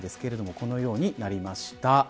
このようになりました。